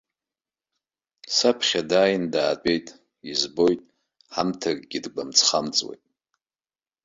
Саԥхьа дааин даатәеит, избоит, ҳамҭакгьы дгәамҵхамҵуеит.